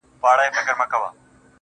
• د انتظار خبري ډيري ښې دي.